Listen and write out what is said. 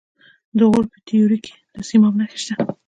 د غور په تیوره کې د سیماب نښې شته.